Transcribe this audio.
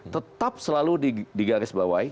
tetap selalu digarisbawahi